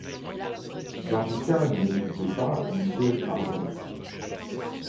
Barbicane n’écoutait pas Michel Ardan.